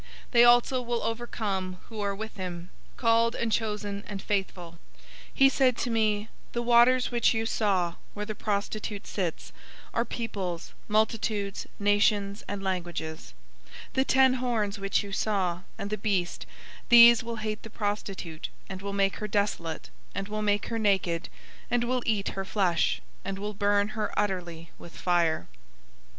They also will overcome who are with him, called and chosen and faithful." 017:015 He said to me, "The waters which you saw, where the prostitute sits, are peoples, multitudes, nations, and languages. 017:016 The ten horns which you saw, and the beast, these will hate the prostitute, and will make her desolate, and will make her naked, and will eat her flesh, and will burn her utterly with fire.